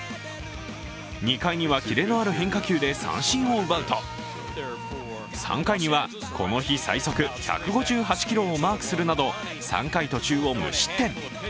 ２回にはキレのある変化球で三振を奪うと３回には、この日最速１５８キロをマークするなど３回途中を無失点。